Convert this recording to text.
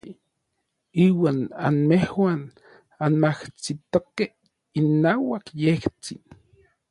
Iuan anmejuan anmajsitokej inauak yejtsin.